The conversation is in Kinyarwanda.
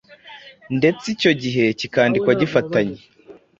ndetse icyo gihe kikandikwa gifatanye.